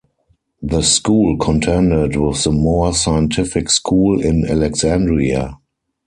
The school contended with the more scientific school in Alexandria.